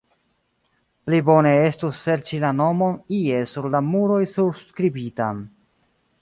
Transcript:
Pli bone estus serĉi la nomon ie sur la muroj surskribitan.